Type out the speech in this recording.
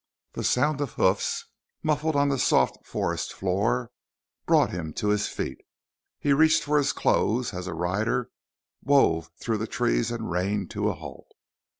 _ The sound of hoofs, muffled on the soft forest floor, brought him to his feet. He reached for his clothes as a rider wove through the trees and reined to a halt.